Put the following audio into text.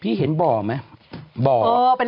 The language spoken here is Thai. พี่เห็นบ่อไหม